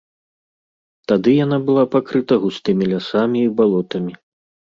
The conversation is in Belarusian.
Тады яна была пакрыта густымі лясамі і балотамі.